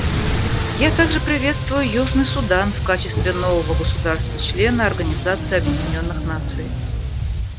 Я также приветствую Южный Судан в качестве нового государства-члена Организации Объединенных Наций.